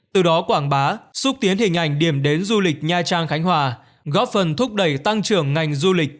từ đó quảng bá xúc tiến hình ảnh điểm đến du lịch nha trang khánh hòa góp phần thúc đẩy tăng trưởng ngành du lịch